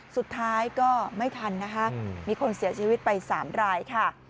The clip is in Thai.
สุดท้ายก็ไม่ทันนะคะมีคนเสียชีวิตไป๓รายค่ะ